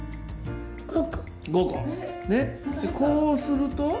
でこうすると？